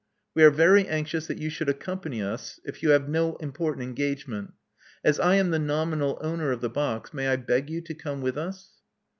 We are very anxious that you should accompany us, if you have no important engagement. As I am the nominal owner of the box, may I beg you to come with us."